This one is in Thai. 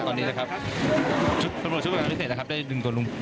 ตอนนี้นะครับนะครับได้ถึงตัวลุง